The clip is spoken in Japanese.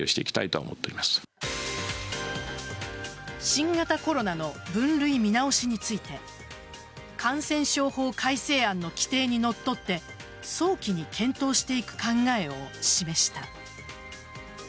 新型コロナの分類見直しについて感染症法改正案の規定にのっとって早期に検討していく考えを示した。